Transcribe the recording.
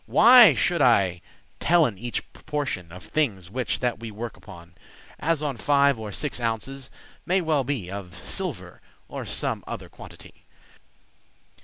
Why should I tellen each proportion Of thinges, whiche that we work upon, As on five or six ounces, may well be, Of silver, or some other quantity?